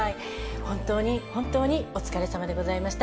本当に本当にお疲れさまでございました。